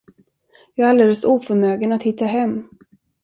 Jag är alldeles oförmögen att hitta hem.